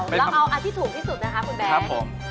แล้วเอาอันนที่ถูกที่สุดนะครับขุมแบงค์ครับผม